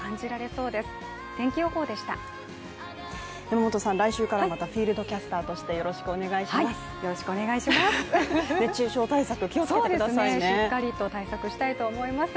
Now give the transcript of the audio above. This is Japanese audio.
山本さん、来週からまたフィールドキャスターとしてよろしくお願いします。